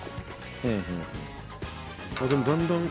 でもだんだん。